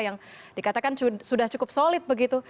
yang dikatakan sudah cukup solid begitu